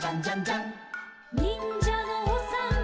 「にんじゃのおさんぽ」